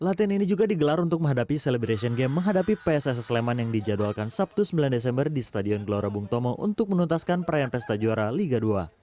latihan ini juga digelar untuk menghadapi celebration game menghadapi pss sleman yang dijadwalkan sabtu sembilan desember di stadion gelora bung tomo untuk menuntaskan perayaan pesta juara liga dua